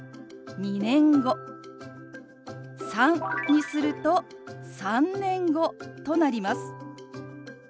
「３」にすると「３年後」となります。